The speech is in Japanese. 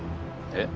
えっ？